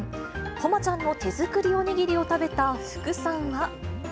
誉ちゃんの手作りお握りを食べた福さんは。